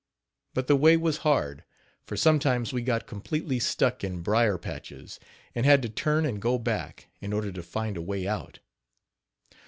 But the way was hard, for sometimes we got completely stuck in brier patches, and had to turn and go back, in order to find a way out.